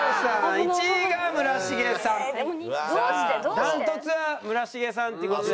断トツは村重さんっていう事で。